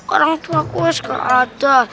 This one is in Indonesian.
orang tuaku yang sekarang ada